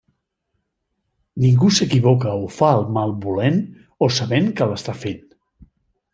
Ningú s'equivoca o fa el mal volent o sabent que l'està fent.